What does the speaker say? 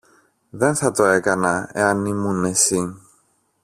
Δεν θα το έκανα εάν ήμουν εσύ.